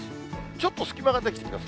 ちょっと隙間が出来ています。